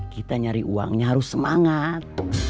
kita nyari uangnya harus semangat